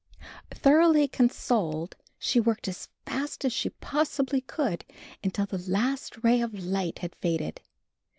Thoroughly consoled, she worked as fast as she possibly could until the last ray of light had faded.